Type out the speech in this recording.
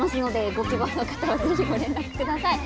ご希望の方はご連絡ください。